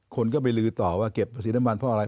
คนก็ไปลือต่อว่าเก็บภาษีน้ำมันเพราะอะไร